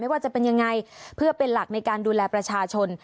ว่าจะเป็นยังไงเพื่อเป็นหลักในการดูแลประชาชน